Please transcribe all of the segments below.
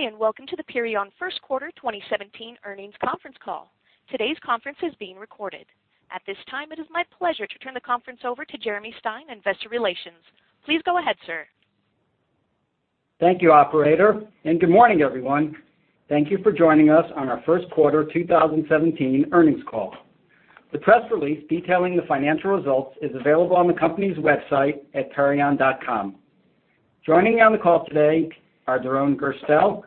Good day. Welcome to the Perion first quarter 2017 earnings conference call. Today's conference is being recorded. At this time, it is my pleasure to turn the conference over to Jeremy Stein, Investor Relations. Please go ahead, sir. Thank you, operator. Good morning, everyone. Thank you for joining us on our first quarter 2017 earnings call. The press release detailing the financial results is available on the company's website at perion.com. Joining me on the call today are Doron Gerstel,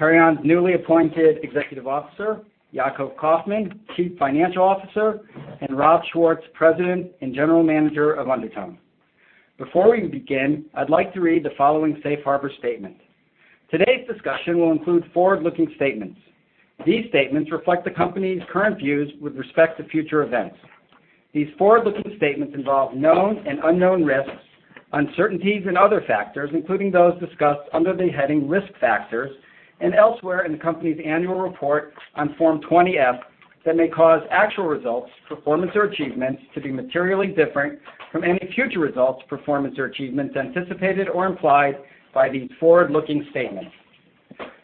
Perion's newly appointed Executive Officer, Yacov Kaufman, Chief Financial Officer, and Rob Schwartz, President and General Manager of Undertone. Before we begin, I'd like to read the following safe harbor statement. Today's discussion will include forward-looking statements. These statements reflect the company's current views with respect to future events. These forward-looking statements involve known and unknown risks, uncertainties, and other factors, including those discussed under the heading Risk Factors and elsewhere in the company's annual report on Form 20-F, that may cause actual results, performance, or achievements to be materially different from any future results, performance, or achievements anticipated or implied by these forward-looking statements.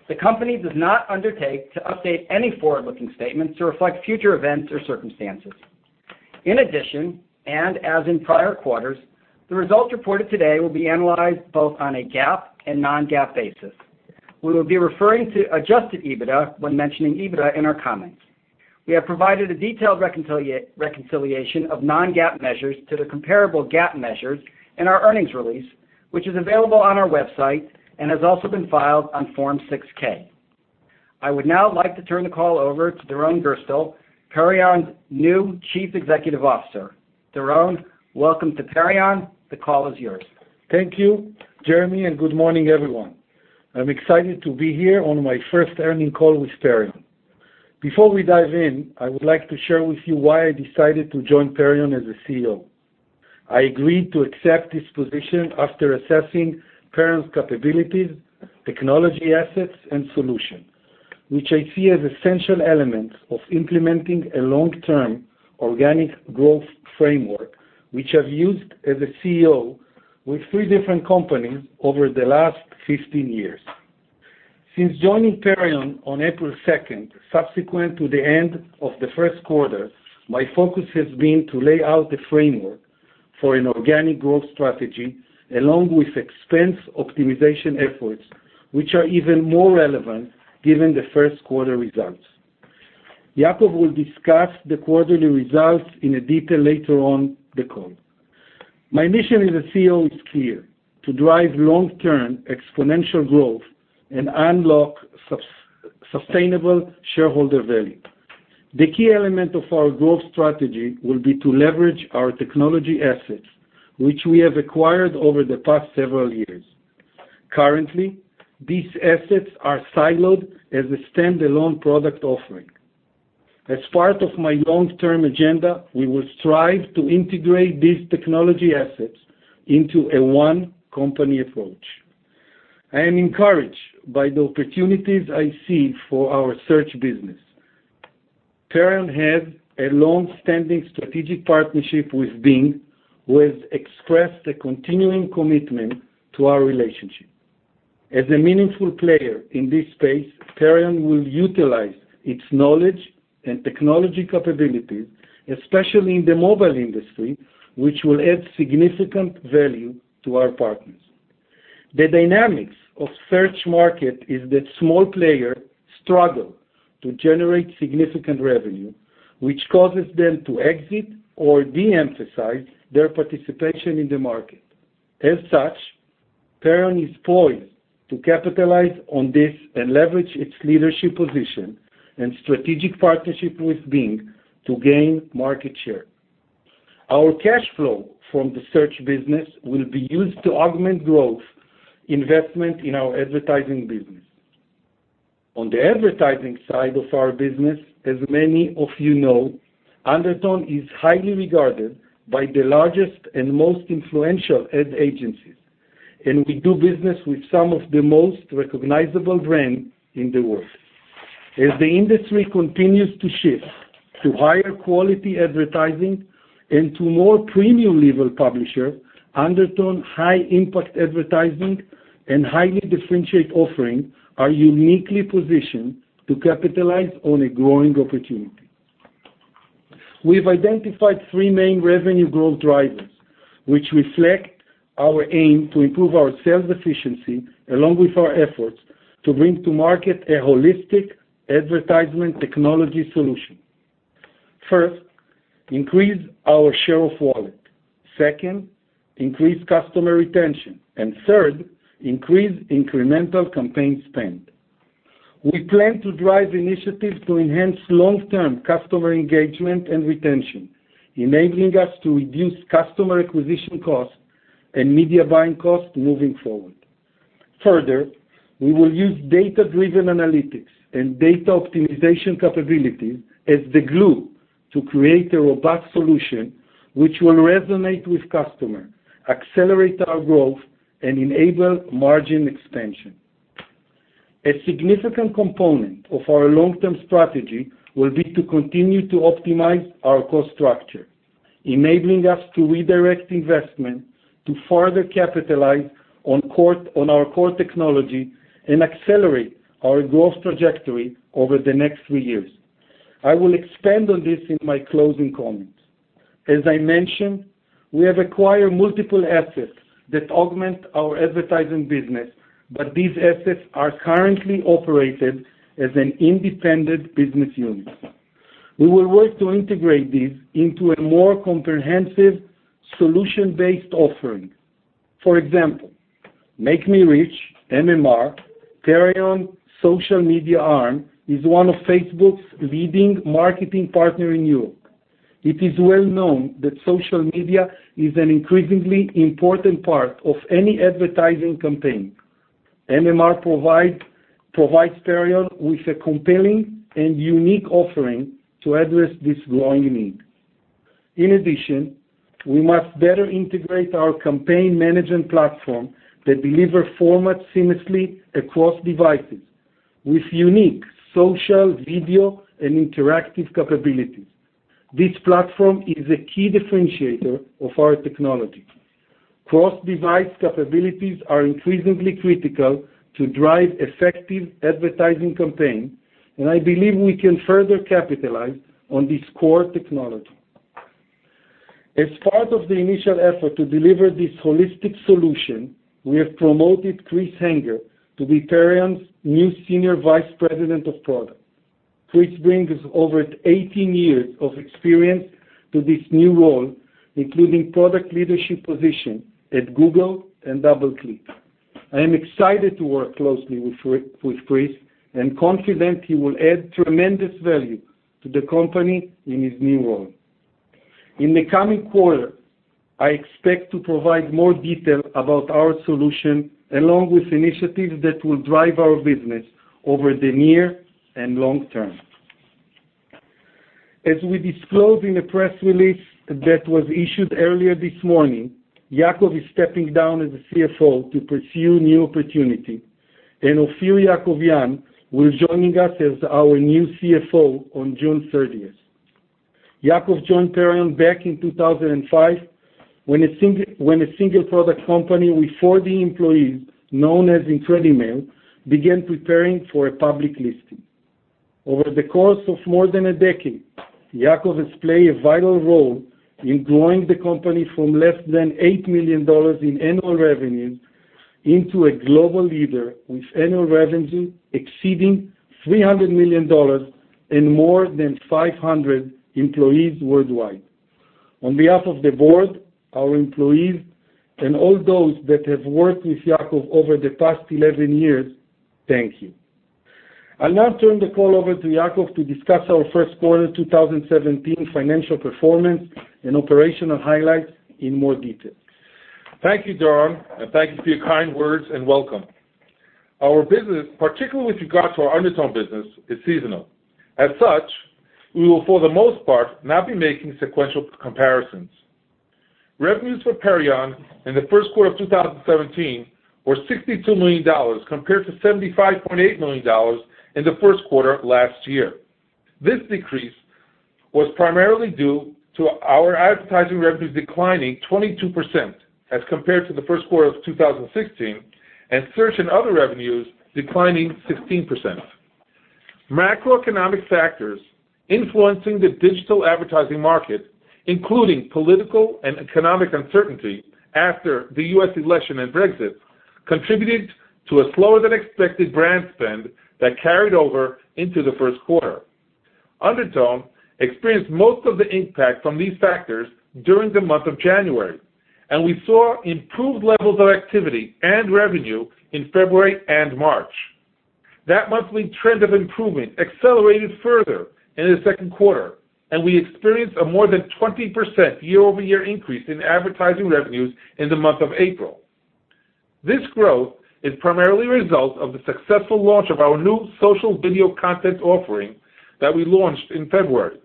The company does not undertake to update any forward-looking statements to reflect future events or circumstances. In addition, as in prior quarters, the results reported today will be analyzed both on a GAAP and non-GAAP basis. We will be referring to adjusted EBITDA when mentioning EBITDA in our comments. We have provided a detailed reconciliation of non-GAAP measures to the comparable GAAP measures in our earnings release, which is available on our website and has also been filed on Form 6-K. I would now like to turn the call over to Doron Gerstel, Perion's new Chief Executive Officer. Doron, welcome to Perion. The call is yours. Thank you, Jeremy. Good morning, everyone. I'm excited to be here on my first earnings call with Perion. Before we dive in, I would like to share with you why I decided to join Perion as a CEO. I agreed to accept this position after assessing Perion's capabilities, technology assets, and solution, which I see as essential elements of implementing a long-term organic growth framework, which I've used as a CEO with three different companies over the last 15 years. Since joining Perion on April 2nd, subsequent to the end of the first quarter, my focus has been to lay out the framework for an organic growth strategy, along with expense optimization efforts, which are even more relevant given the first quarter results. Yacov will discuss the quarterly results in detail later on the call. My mission as a CEO is clear: to drive long-term exponential growth and unlock sustainable shareholder value. The key element of our growth strategy will be to leverage our technology assets, which we have acquired over the past several years. Currently, these assets are siloed as a standalone product offering. As part of my long-term agenda, we will strive to integrate these technology assets into a one-company approach. I am encouraged by the opportunities I see for our search business. Perion has a long-standing strategic partnership with Bing, who has expressed a continuing commitment to our relationship. As a meaningful player in this space, Perion will utilize its knowledge and technology capabilities, especially in the mobile industry, which will add significant value to our partners. The dynamics of search market is that small players struggle to generate significant revenue, which causes them to exit or de-emphasize their participation in the market. As such, Perion is poised to capitalize on this and leverage its leadership position and strategic partnership with Bing to gain market share. Our cash flow from the search business will be used to augment growth investment in our advertising business. On the advertising side of our business, as many of you know, Undertone is highly regarded by the largest and most influential ad agencies, and we do business with some of the most recognizable brands in the world. As the industry continues to shift to higher quality advertising and to more premium-level publisher, Undertone high-impact advertising and highly differentiate offering are uniquely positioned to capitalize on a growing opportunity. We've identified three main revenue growth drivers, which reflect our aim to improve our sales efficiency along with our efforts to bring to market a holistic advertisement technology solution. First, increase our share of wallet. Second, increase customer retention. Third, increase incremental campaign spend. We plan to drive initiatives to enhance long-term customer engagement and retention, enabling us to reduce customer acquisition costs and media buying costs moving forward. Further, we will use data-driven analytics and data optimization capabilities as the glue to create a robust solution which will resonate with customers, accelerate our growth, and enable margin expansion. A significant component of our long-term strategy will be to continue to optimize our cost structure. Enabling us to redirect investment to further capitalize on our core technology and accelerate our growth trajectory over the next three years. I will expand on this in my closing comments. As I mentioned, we have acquired multiple assets that augment our advertising business, but these assets are currently operated as an independent business unit. We will work to integrate these into a more comprehensive solution-based offering. For example, MakeMeReach, Perion's social media arm, is one of Facebook's leading marketing partner in Europe. It is well known that social media is an increasingly important part of any advertising campaign. MakeMeReach provides Perion with a compelling and unique offering to address this growing need. In addition, we must better integrate our campaign management platform that deliver format seamlessly across devices with unique social, video, and interactive capabilities. This platform is a key differentiator of our technology. Cross-device capabilities are increasingly critical to drive effective advertising campaigns, and I believe we can further capitalize on this core technology. As part of the initial effort to deliver this holistic solution, we have promoted Chris Henger to be Perion's new Senior Vice President of Product. Chris brings over 18 years of experience to this new role, including product leadership position at Google and DoubleClick. I am excited to work closely with Chris and confident he will add tremendous value to the company in his new role. In the coming quarter, I expect to provide more detail about our solution, along with initiatives that will drive our business over the near and long term. As we disclose in the press release that was issued earlier this morning, Yacov is stepping down as the CFO to pursue new opportunity, and Ofir Yacovian will joining us as our new CFO on June 13th. Yacov joined Perion back in 2005, when a single product company with 40 employees, known as IncrediMail, began preparing for a public listing. Over the course of more than a decade, Yacov has played a vital role in growing the company from less than $8 million in annual revenue into a global leader with annual revenue exceeding $300 million and more than 500 employees worldwide. On behalf of the board, our employees, and all those that have worked with Yacov over the past 11 years, thank you. I will now turn the call over to Yacov to discuss our first quarter 2017 financial performance and operational highlights in more detail. Thank you, Doron, and thank you for your kind words, and welcome. Our business, particularly with regard to our Undertone business, is seasonal. As such, we will, for the most part, not be making sequential comparisons. Revenues for Perion in the first quarter of 2017 were $62 million, compared to $75.8 million in the first quarter of last year. This decrease was primarily due to our advertising revenues declining 22% as compared to the first quarter of 2016, and search and other revenues declining 16%. Macroeconomic factors influencing the digital advertising market, including political and economic uncertainty after the U.S. election and Brexit, contributed to a slower-than-expected brand spend that carried over into the first quarter. Undertone experienced most of the impact from these factors during the month of January, and we saw improved levels of activity and revenue in February and March. That monthly trend of improvement accelerated further in the second quarter, and we experienced a more than 20% year-over-year increase in advertising revenues in the month of April. This growth is primarily a result of the successful launch of our new social video content offering that we launched in February.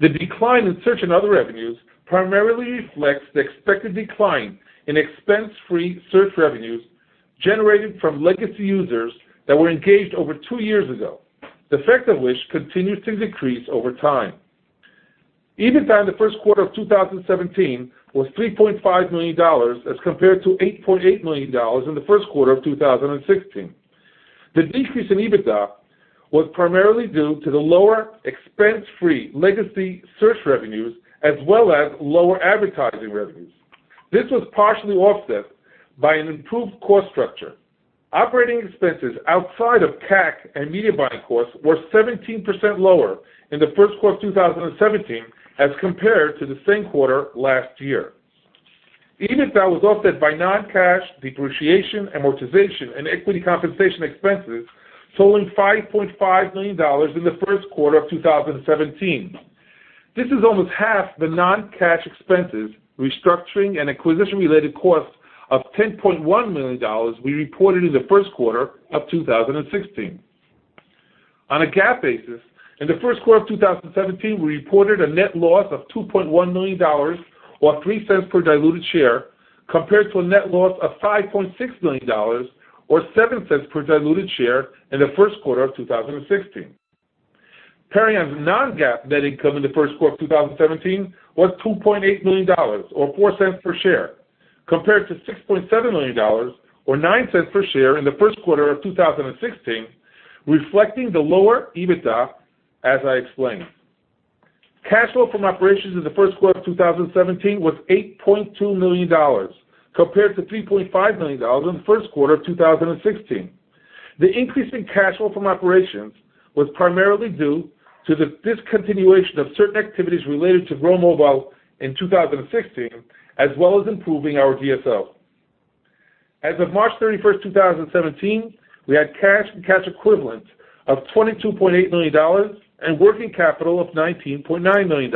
The decline in search and other revenues primarily reflects the expected decline in expense-free search revenues generated from legacy users that were engaged over two years ago, the effect of which continues to decrease over time. EBITDA in the first quarter of 2017 was $3.5 million as compared to $8.8 million in the first quarter of 2016. The decrease in EBITDA was primarily due to the lower expense-free legacy search revenues as well as lower advertising revenues. This was partially offset by an improved cost structure. Operating expenses outside of CAC and media buying costs were 17% lower in the first quarter of 2017 as compared to the same quarter last year. EBITDA was offset by non-cash depreciation, amortization, and equity compensation expenses totaling $5.5 million in the first quarter of 2017. This is almost half the non-cash expenses, restructuring, and acquisition-related costs of $10.1 million we reported in the first quarter of 2016. On a GAAP basis, in the first quarter of 2017, we reported a net loss of $2.1 million or $0.03 per diluted share. Compared to a net loss of $5.6 million, or $0.07 per diluted share in the first quarter of 2016. Perion's non-GAAP net income in the first quarter of 2017 was $2.8 million, or $0.04 per share, compared to $6.7 million, or $0.09 per share in the first quarter of 2016, reflecting the lower EBITDA as I explained. Cash flow from operations in the first quarter of 2017 was $8.2 million, compared to $3.5 million in the first quarter of 2016. The increase in cash flow from operations was primarily due to the discontinuation of certain activities related to Grow Mobile in 2016, as well as improving our DSO. As of March 31st, 2017, we had cash and cash equivalents of $22.8 million and working capital of $19.9 million.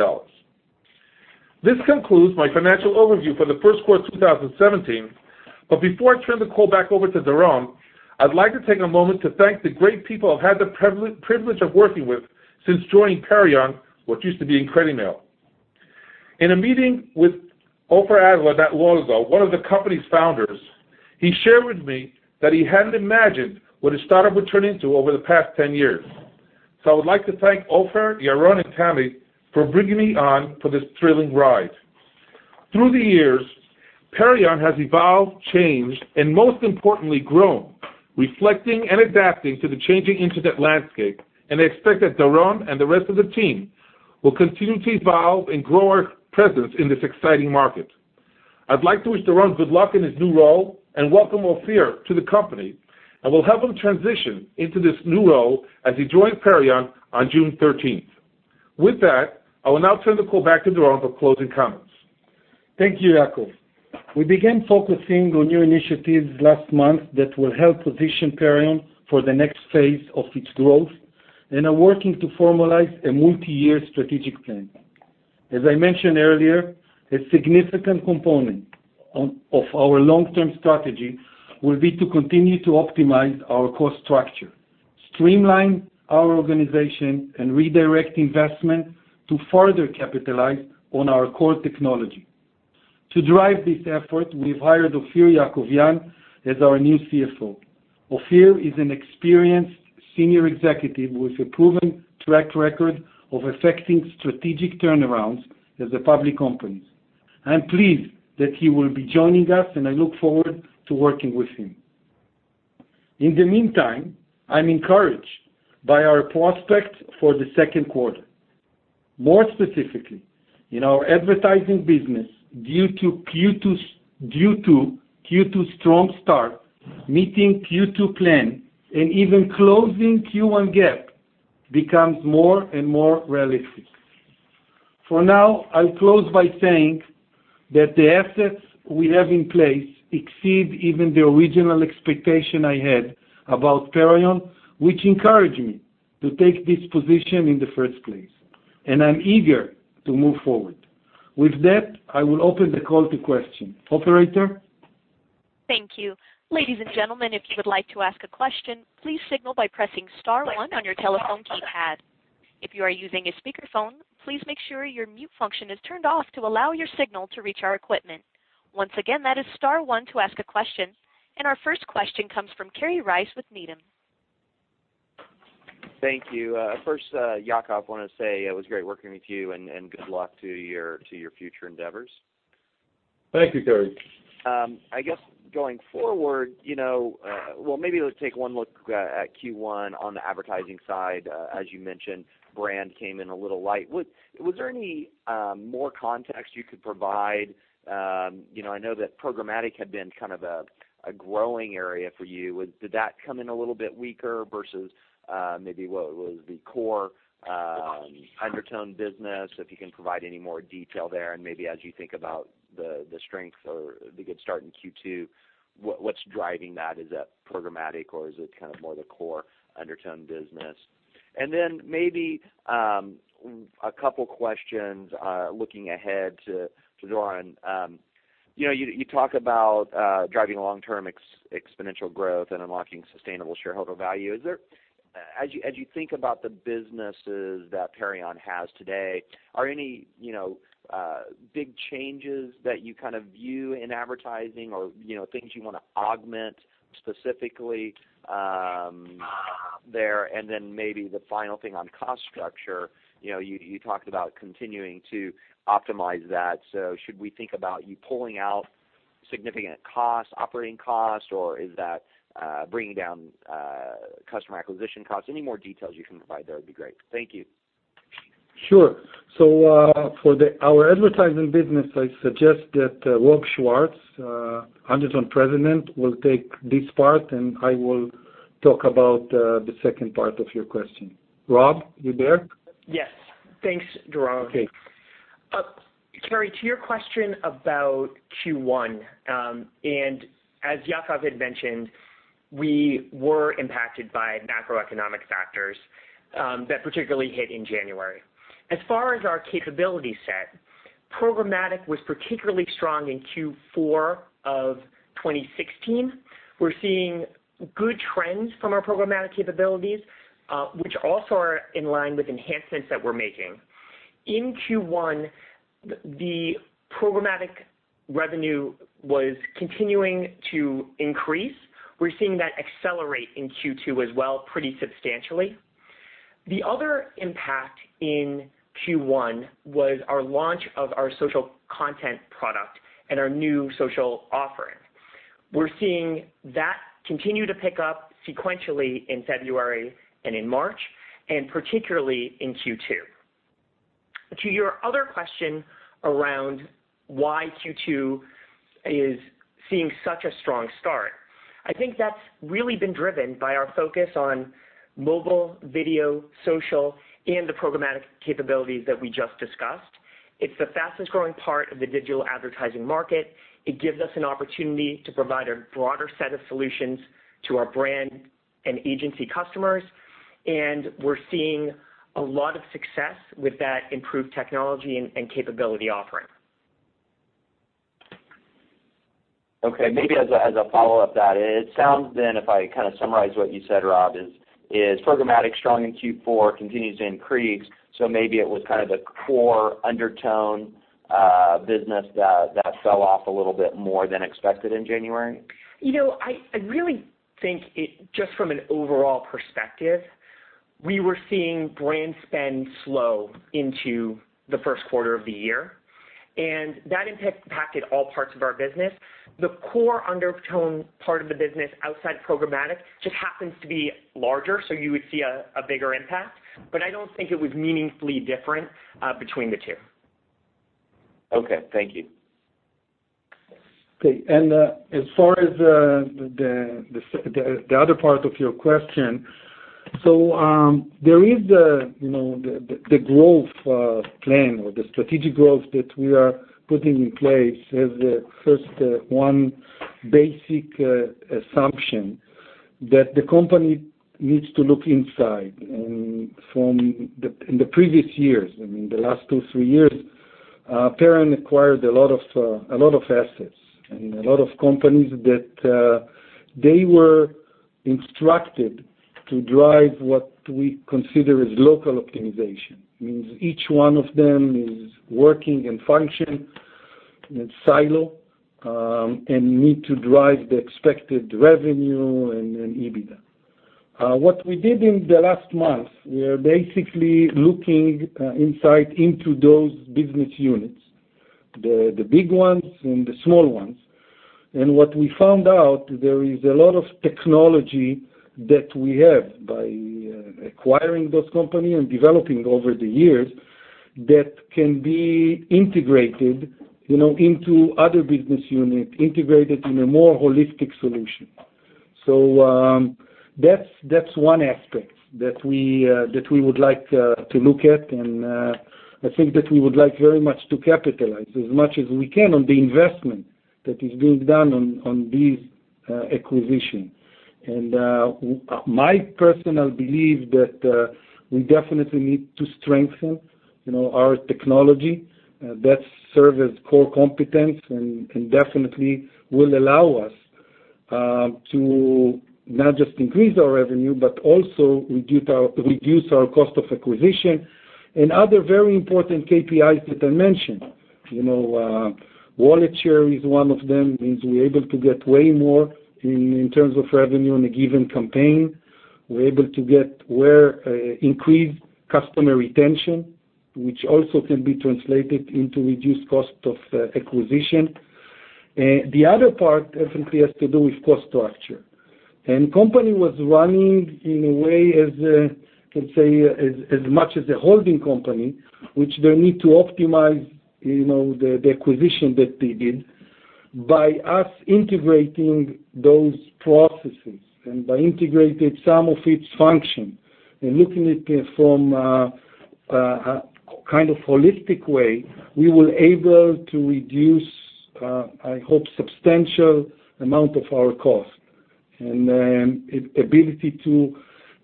This concludes my financial overview for the first quarter of 2017. Before I turn the call back over to Doron, I'd like to take a moment to thank the great people I've had the privilege of working with since joining Perion, what used to be IncrediMail. In a meeting with Ofer Adler not long ago, one of the company's founders, he shared with me that he hadn't imagined what his startup would turn into over the past 10 years. I would like to thank Ofer, Yaron, and Tammy for bringing me on for this thrilling ride. Through the years, Perion has evolved, changed, and most importantly, grown, reflecting and adapting to the changing internet landscape, and I expect that Doron and the rest of the team will continue to evolve and grow our presence in this exciting market. I'd like to wish Doron good luck in his new role and welcome Ofir to the company. We'll help him transition into this new role as he joins Perion on June 13th. With that, I will now turn the call back to Doron for closing comments. Thank you, Yacov. We began focusing on new initiatives last month that will help position Perion for the next phase of its growth and are working to formalize a multi-year strategic plan. As I mentioned earlier, a significant component of our long-term strategy will be to continue to optimize our cost structure, streamline our organization, and redirect investment to further capitalize on our core technology. To drive this effort, we've hired Ofir Yacovian as our new CFO. Ofir is an experienced senior executive with a proven track record of effecting strategic turnarounds at the public companies. I am pleased that he will be joining us, and I look forward to working with him. In the meantime, I'm encouraged by our prospects for the second quarter. More specifically, in our advertising business, due to Q2 strong start, meeting Q2 plan, and even closing Q1 gap, becomes more and more realistic. For now, I'll close by saying that the assets we have in place exceed even the original expectation I had about Perion, which encouraged me to take this position in the first place. I'm eager to move forward. With that, I will open the call to questions. Operator? Thank you. Ladies and gentlemen, if you would like to ask a question, please signal by pressing star one on your telephone keypad. If you are using a speakerphone, please make sure your mute function is turned off to allow your signal to reach our equipment. Once again, that is star one to ask a question. Our first question comes from Kerry Rice with Needham. Thank you. First, Yakov, I want to say it was great working with you. Good luck to your future endeavors. Thank you, Kerry. I guess going forward, well, maybe let's take one look at Q1 on the advertising side. As you mentioned, brand came in a little light. Was there any more context you could provide? I know that programmatic had been kind of a growing area for you. Did that come in a little bit weaker versus maybe what would the core Undertone business, if you can provide any more detail there, and maybe as you think about the strength or the good start in Q2, what's driving that? Is that programmatic or is it kind of more the core Undertone business? And then maybe a couple questions looking ahead to Doron. You talk about driving long-term exponential growth and unlocking sustainable shareholder value. As you think about the businesses that Perion has today, are any big changes that you kind of view in advertising or things you want to augment specifically there? Then maybe the final thing on cost structure. You talked about continuing to optimize that. Should we think about you pulling out significant costs, operating costs, or is that bringing down customer acquisition costs? Any more details you can provide there would be great. Thank you. Sure. For our advertising business, I suggest that Rob Schwartz, Undertone President, will take this part, and I will talk about the second part of your question. Rob, you there? Yes. Thanks, Doron. Okay. Kerry, to your question about Q1, as Yacov had mentioned, we were impacted by macroeconomic factors that particularly hit in January. As far as our capability set, programmatic was particularly strong in Q4 of 2016. We're seeing good trends from our programmatic capabilities, which also are in line with enhancements that we're making. In Q1, the programmatic revenue was continuing to increase. We're seeing that accelerate in Q2 as well, pretty substantially. The other impact in Q1 was our launch of our social content product and our new social offering. We're seeing that continue to pick up sequentially in February and in March, and particularly in Q2. To your other question around why Q2 is seeing such a strong start, I think that's really been driven by our focus on mobile, video, social, and the programmatic capabilities that we just discussed. It's the fastest-growing part of the digital advertising market. It gives us an opportunity to provide a broader set of solutions to our brand and agency customers, we're seeing a lot of success with that improved technology and capability offering. Okay, maybe as I follow up that, it sounds then, if I kind of summarize what you said, Rob, is programmatic strong in Q4 continues to increase, so maybe it was kind of a core Undertone business that fell off a little bit more than expected in January? I really think it, just from an overall perspective, we were seeing brand spend slow into the first quarter of the year, and that impacted all parts of our business. The core Undertone part of the business outside programmatic just happens to be larger, so you would see a bigger impact, but I don't think it was meaningfully different between the two. Okay. Thank you. Okay, as far as the other part of your question, there is the growth plan or the strategic growth that we are putting in place as the first one basic assumption that the company needs to look inside. From the, in the previous years, I mean, the last two, three years, Perion acquired a lot of assets. I mean, a lot of companies that they were instructed to drive what we consider is local optimization. Means each one of them is working and function in silo, and need to drive the expected revenue and EBITDA. What we did in the last month, we are basically looking inside into those business units, the big ones and the small ones. What we found out, there is a lot of technology that we have by acquiring those company and developing over the years that can be integrated into other business unit, integrated in a more holistic solution. That's one aspect that we would like to look at, and I think that we would like very much to capitalize as much as we can on the investment that is being done on these acquisition. My personal belief that we definitely need to strengthen our technology that serve as core competence, and definitely will allow us to not just increase our revenue, but also reduce our cost of acquisition and other very important KPIs that I mentioned. Wallet share is one of them, means we're able to get way more in terms of revenue on a given campaign. We're able to get increased customer retention, which also can be translated into reduced cost of acquisition. The other part definitely has to do with cost structure. Company was running in a way, as can say, as much as a holding company, which they need to optimize the acquisition that they did. By us integrating those processes, and by integrated some of its function and looking at it from a kind of holistic way, we will able to reduce, I hope, substantial amount of our cost, and ability to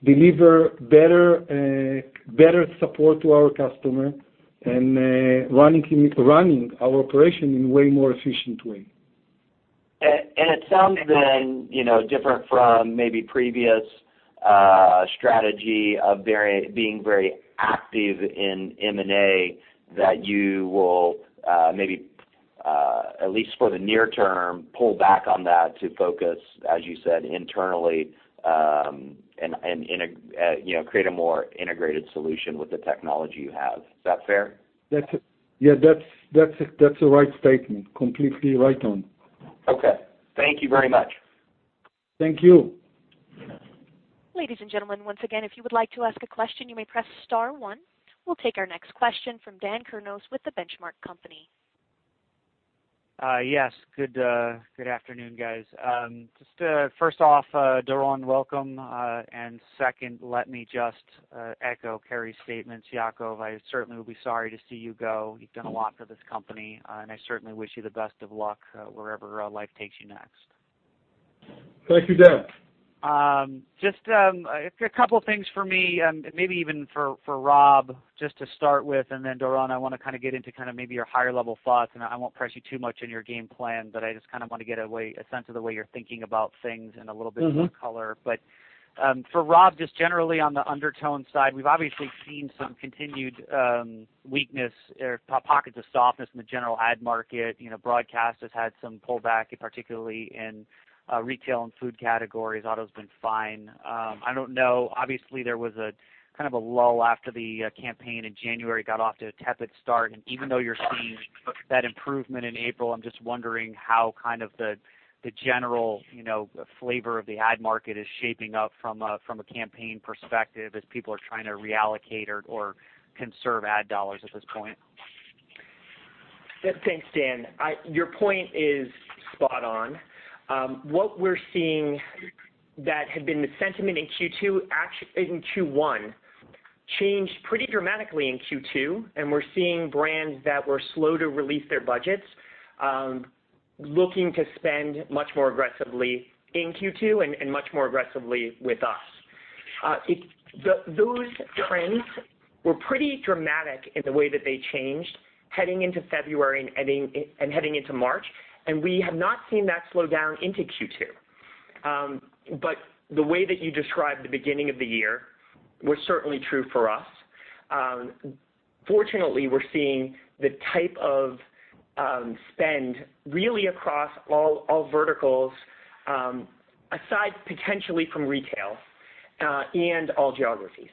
deliver better support to our customer and running our operation in way more efficient way. It sounds then different from maybe previous strategy of being very active in M&A that you will maybe, at least for the near term, pull back on that to focus, as you said, internally, and create a more integrated solution with the technology you have. Is that fair? Yeah, that's a right statement, completely right on. Okay. Thank you very much. Thank you. Ladies and gentlemen, once again, if you would like to ask a question, you may press star one. We'll take our next question from Daniel Kurnos with The Benchmark Company. Yes. Good afternoon, guys. Just first off, Doron, welcome. Second, let me just echo Kerry's statements. Yacov, I certainly will be sorry to see you go. You've done a lot for this company, and I certainly wish you the best of luck wherever life takes you next. Thank you, Dan. Just a couple things for me, maybe even for Rob, just to start with. Then Doron, I want to get into maybe your higher-level thoughts, and I won't press you too much on your game plan, but I just want to get a sense of the way you're thinking about things and a little bit more color. For Rob, just generally on the Undertone side, we've obviously seen some continued weakness or pockets of softness in the general ad market. Broadcast has had some pullback, particularly in retail and food categories. Auto's been fine. I don't know. Obviously, there was a lull after the campaign in January, got off to a tepid start. Even though you're seeing that improvement in April, I'm just wondering how the general flavor of the ad market is shaping up from a campaign perspective as people are trying to reallocate or conserve ad dollars at this point. Thanks, Dan. Your point is spot on. What we're seeing that had been the sentiment in Q1 changed pretty dramatically in Q2. We're seeing brands that were slow to release their budgets looking to spend much more aggressively in Q2 and much more aggressively with us. Those trends were pretty dramatic in the way that they changed heading into February and heading into March. We have not seen that slow down into Q2. The way that you described the beginning of the year was certainly true for us. Fortunately, we're seeing the type of spend really across all verticals, aside potentially from retail, and all geographies.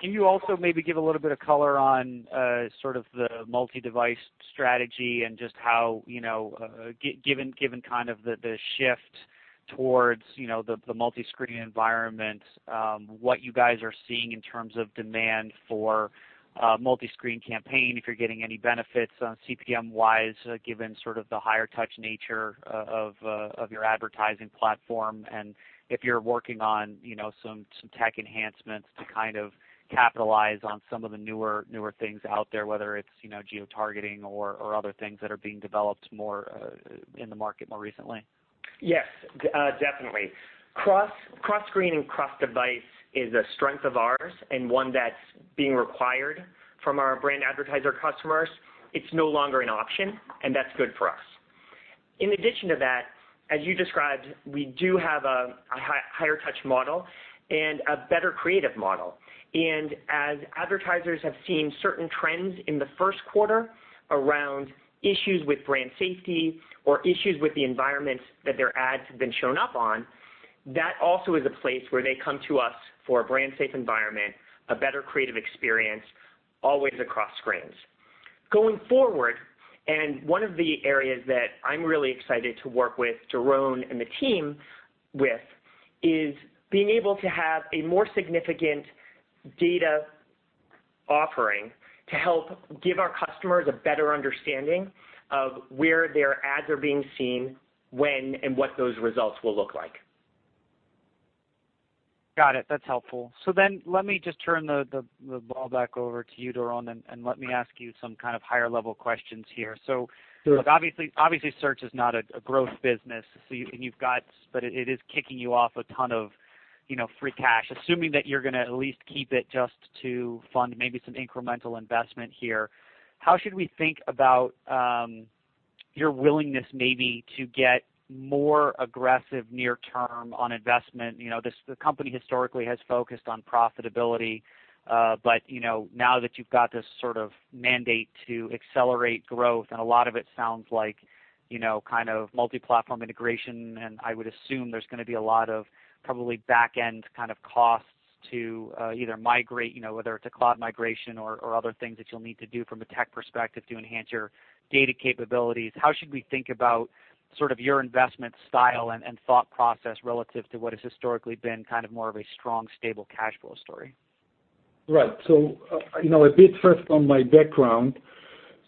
Can you also maybe give a little bit of color on the multi-device strategy and just how, given the shift towards the multi-screen environment, what you guys are seeing in terms of demand for a multi-screen campaign, if you're getting any benefits CPM-wise, given the higher touch nature of your advertising platform, and if you're working on some tech enhancements to capitalize on some of the newer things out there, whether it's geotargeting or other things that are being developed more in the market more recently? Yes, definitely. Cross-screen and cross-device is a strength of ours and one that's being required from our brand advertiser customers. It's no longer an option, and that's good for us. In addition to that, as you described, we do have a higher touch model and a better creative model. As advertisers have seen certain trends in the first quarter around issues with brand safety or issues with the environments that their ads have been shown up on, that also is a place where they come to us for a brand safe environment, a better creative experience, always across screens. Going forward, and one of the areas that I'm really excited to work with Doron and the team with, is being able to have a more significant data offering to help give our customers a better understanding of where their ads are being seen, when, and what those results will look like. Got it. That's helpful. Let me just turn the ball back over to you, Doron, and let me ask you some kind of higher-level questions here. Sure. Obviously, search is not a growth business, but it is kicking you off a ton of free cash. Assuming that you're going to at least keep it just to fund maybe some incremental investment here, how should we think about your willingness maybe to get more aggressive near term on investment? The company historically has focused on profitability. Now that you've got this sort of mandate to accelerate growth and a lot of it sounds like multi-platform integration, and I would assume there's going to be a lot of probably back-end kind of costs to either migrate, whether it's a cloud migration or other things that you'll need to do from a tech perspective to enhance your data capabilities. How should we think about sort of your investment style and thought process relative to what has historically been kind of more of a strong, stable cash flow story? Right. A bit first on my background.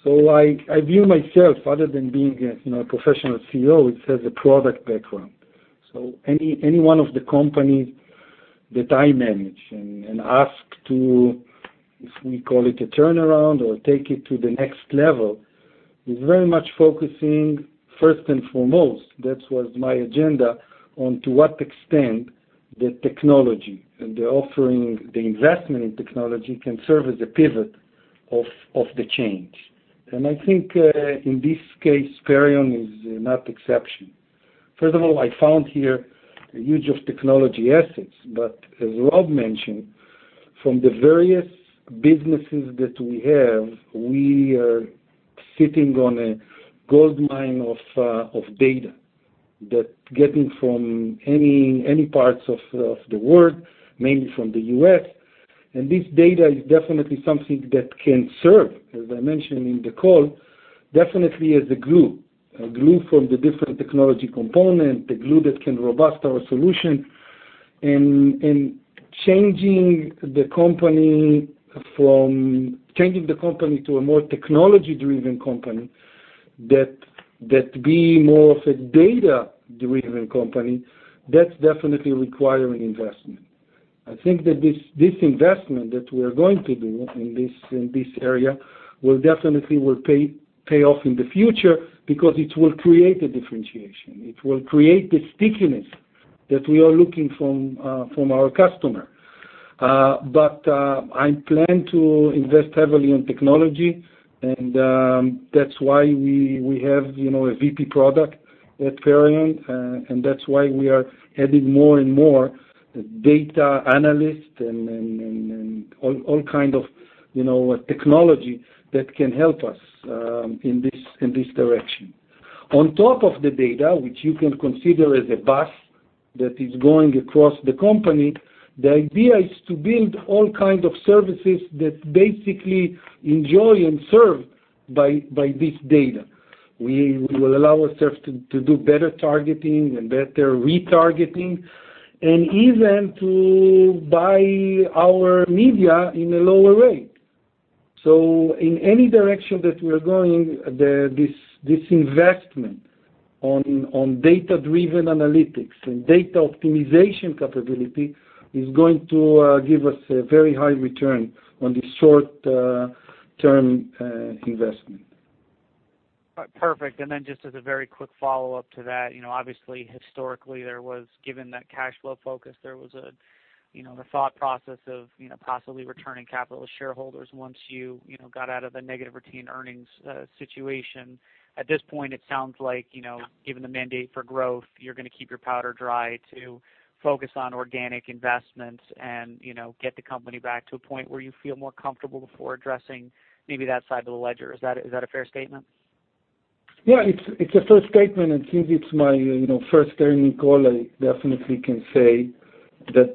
I view myself, other than being a professional CEO, which has a product background. Any one of the companies that I manage and ask to, if we call it a turnaround or take it to the next level, is very much focusing first and foremost, that was my agenda, on to what extent the technology and the offering, the investment in technology can serve as a pivot of the change. I think in this case, Perion is not exception. First of all, I found here a huge of technology assets, but as Rob mentioned, from the various businesses that we have, we are sitting on a goldmine of data that getting from any parts of the world, mainly from the U.S. This data is definitely something that can serve, as I mentioned in the call, definitely as a glue. A glue from the different technology component, a glue that can robust our solution. Changing the company to a more technology-driven company, that be more of a data-driven company, that's definitely requiring investment. I think that this investment that we are going to do in this area definitely will pay off in the future because it will create a differentiation, it will create the stickiness that we are looking from our customer. I plan to invest heavily in technology, and that's why we have a VP product at Perion, and that's why we are adding more and more data analysts and all kind of technology that can help us in this direction. On top of the data, which you can consider as a bus that is going across the company, the idea is to build all kind of services that basically enjoy and serve by this data. We will allow ourselves to do better targeting and better retargeting, and even to buy our media in a lower rate. In any direction that we're going, this investment on data-driven analytics and data optimization capability is going to give us a very high return on this short-term investment. Perfect. Just as a very quick follow-up to that, obviously historically, given that cash flow focus, there was the thought process of possibly returning capital to shareholders once you got out of the negative routine earnings situation. At this point, it sounds like, given the mandate for growth, you're going to keep your powder dry to focus on organic investments and get the company back to a point where you feel more comfortable before addressing maybe that side of the ledger. Is that a fair statement? Since it's my first earnings call, I definitely can say that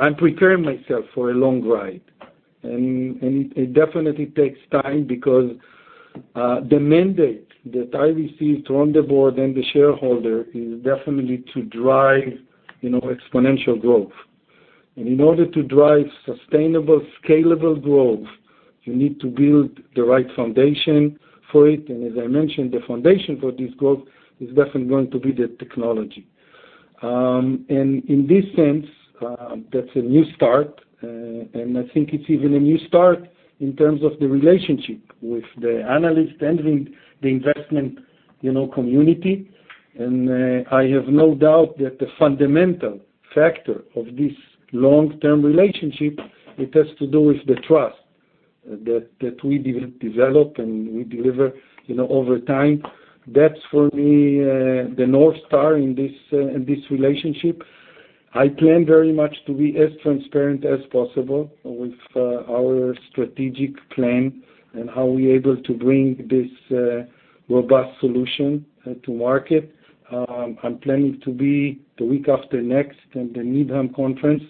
I'm preparing myself for a long ride. It definitely takes time because the mandate that I received from the board and the shareholder is definitely to drive exponential growth. In order to drive sustainable, scalable growth, you need to build the right foundation for it, and as I mentioned, the foundation for this growth is definitely going to be the technology. In this sense, that's a new start, and I think it's even a new start in terms of the relationship with the analyst and the investment community. I have no doubt that the fundamental factor of this long-term relationship, it has to do with the trust that we develop and we deliver over time. That's for me, the North Star in this relationship. I plan very much to be as transparent as possible with our strategic plan and how we able to bring this robust solution to market. I'm planning to be the week after next at the Needham Conference,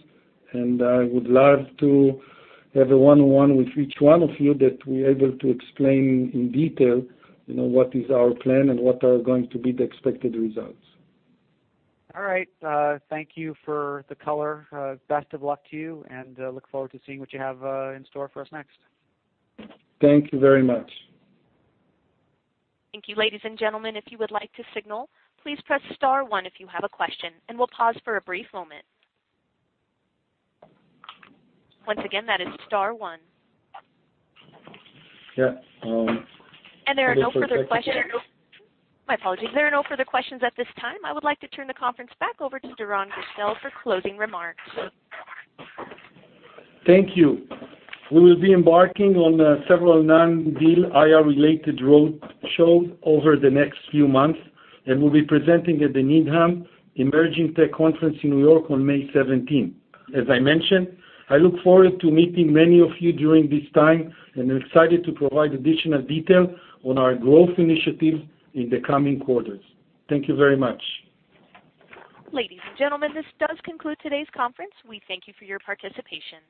I would love to have a one-on-one with each one of you that we able to explain in detail what is our plan and what are going to be the expected results. All right. Thank you for the color. Best of luck to you, look forward to seeing what you have in store for us next. Thank you very much. Thank you, ladies and gentlemen. If you would like to signal, please press star one if you have a question, we'll pause for a brief moment. Once again, that is star one. Yeah. There are no further questions. My apologies. There are no further questions at this time. I would like to turn the conference back over to Doron Gerstel for closing remarks. Thank you. We will be embarking on several non-deal IR-related road shows over the next few months, we'll be presenting at the Needham Emerging Technology Conference in New York on May 17th. As I mentioned, I look forward to meeting many of you during this time. I'm excited to provide additional detail on our growth initiatives in the coming quarters. Thank you very much. Ladies and gentlemen, this does conclude today's conference. We thank you for your participation.